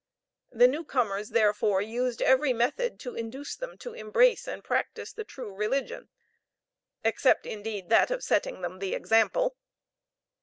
The new comers, therefore, used every method to induce them to embrace and practice the true religion except, indeed, that of setting them the example.